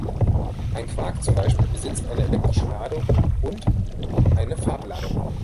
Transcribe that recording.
Ein Quark zum Beispiel besitzt eine elektrische Ladung und eine Farbladung.